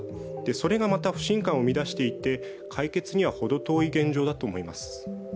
それがまた不信感を生み出していて解決には程遠い現状だと思います。